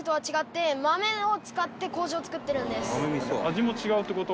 味も違うって事？